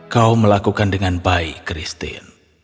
kau melakukan dengan baik christine